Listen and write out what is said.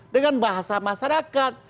dengan bahasa masyarakat